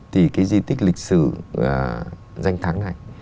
thì cái di tích lịch sử danh thắng này